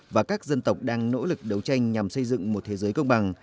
và các dân tộc đang nỗ lực đấu tranh nhằm xây dựng một thế giới công bằng